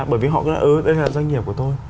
bởi vì họ cứ nói ừ đây là doanh nghiệp của tôi